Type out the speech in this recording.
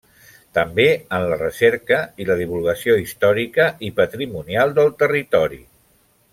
També en la recerca i la divulgació històrica i patrimonial del territori.